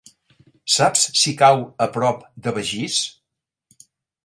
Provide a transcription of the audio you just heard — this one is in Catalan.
Saps si cau a prop de Begís?